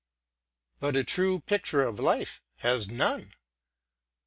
But a true picture of life has none.